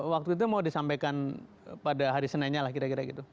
waktu itu mau disampaikan pada hari seninnya lah kira kira gitu